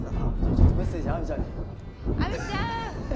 ちょっとメッセージ亜美ちゃんに。